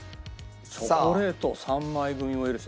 チョコレート３枚組もいるしね。